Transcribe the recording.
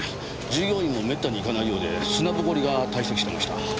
従業員もめったに行かないようで砂ぼこりが堆積してました。